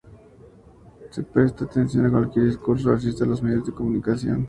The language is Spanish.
Se presta atención a cualquier discurso racista en los medios de comunicación.